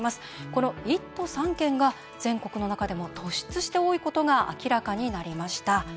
この１都３県が全国の中でも突出して多いことが明らかになりました。